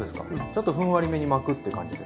ちょっとふんわりめに巻くっていう感じですか？